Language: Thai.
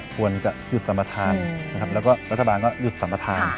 ควรจะหยุดสรรพทานแล้วก็รัฐบาลก็หยุดสรรพทาน